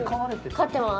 飼ってます。